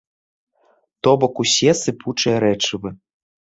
То бок усе сыпучыя рэчывы.